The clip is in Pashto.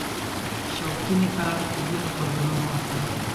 شوکي نخاع د ځینو غبرګونونو مرکز دی.